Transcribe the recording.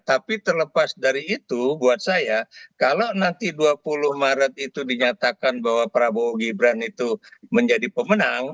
tapi terlepas dari itu buat saya kalau nanti dua puluh maret itu dinyatakan bahwa prabowo gibran itu menjadi pemenang